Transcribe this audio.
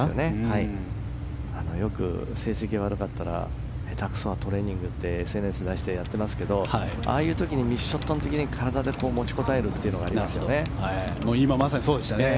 成績が悪かったら下手くそなトレーニングってＳＮＳで出してやってますけどああいうミスショットの時に体で持ちこたえるのがありますよね。